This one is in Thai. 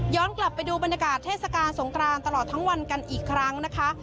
กลับไปดูบรรยากาศเทศกาลสงกรานตลอดทั้งวันกันอีกครั้งนะคะ